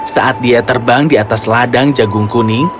saat dia terbang di atas ladang jagung kuning